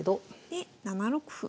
で７六歩。